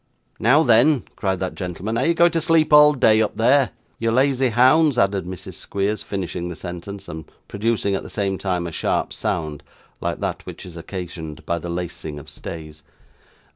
'Now then,' cried that gentleman, 'are you going to sleep all day, up there ' 'You lazy hounds?' added Mrs. Squeers, finishing the sentence, and producing, at the same time, a sharp sound, like that which is occasioned by the lacing of stays.